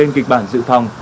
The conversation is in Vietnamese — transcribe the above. trong kịch bản dự phòng